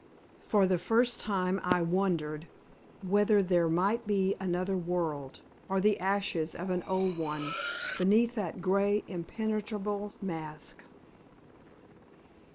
For the first time I wondered whether there might be another world, or the ashes of an old one beneath that grey, impenetrable mask.